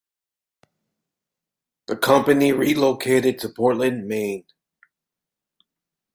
The company relocated to Portland, Maine.